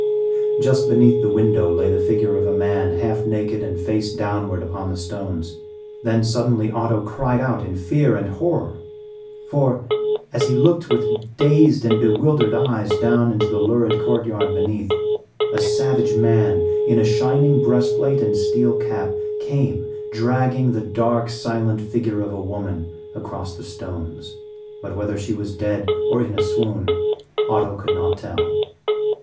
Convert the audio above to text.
Just beneath the window lay the figure of a man half naked and face downward upon the stones. Then suddenly Otto cried out in fear and horror, for, as he looked with dazed and bewildered eyes down into the lurid court yard beneath, a savage man, in a shining breast plate and steel cap, came dragging the dark, silent figure of a woman across the stones; but whether she was dead or in a swoon, Otto could not tell.